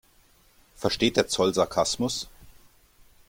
Versteht der Zoll Sarkasmus?